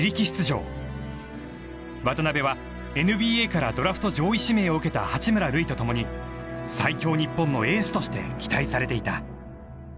渡邊はＮＢＡからドラフト上位指名を受けた八村塁とともに最強日本のエースとして期待されていた。